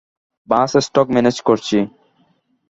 ব্যাস stock manage করছি।